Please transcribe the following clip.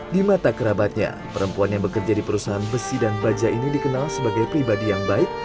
di mata kerabatnya perempuan yang bekerja di perusahaan besi dan baja ini dikenal sebagai pribadi yang baik